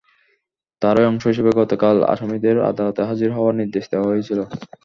তারই অংশ হিসেবে গতকাল আসামিদের আদালতে হাজির হওয়ার নির্দেশ দেওয়া হয়েছিল।